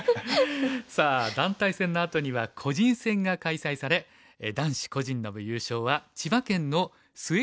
さあ団体戦のあとには個人戦が開催され男子個人の部優勝は千葉県の末原蓮さん。